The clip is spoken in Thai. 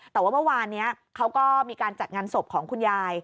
แต่ว่าเมื่อวานนี้เขาก็มีการจัดงานศพของคุณยาย